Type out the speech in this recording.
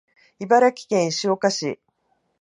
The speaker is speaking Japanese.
茨城県石岡市